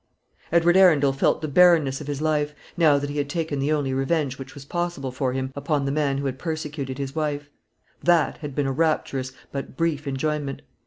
Edward Arundel felt the barrenness of his life, now that he had taken the only revenge which was possible for him upon the man who had persecuted his wife. That had been a rapturous but brief enjoyment.